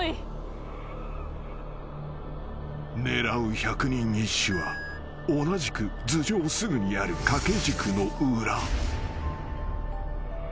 ［狙う百人一首は同じく頭上すぐにある掛け軸の裏］